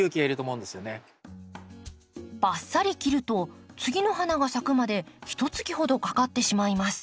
バッサリ切ると次の花が咲くまでひと月ほどかかってしまいます。